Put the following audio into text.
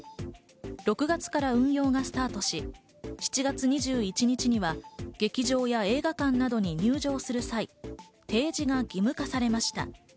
６月から運用がスタートし、７月２１日には劇場や映画館などに入場する際、提示が義務化されました。